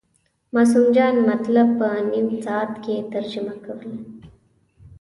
معصوم جان مطلب په نیم ساعت کې ترجمه کول.